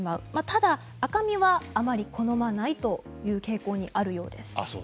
ただ、赤身はあまり好まないという傾向にあるようです。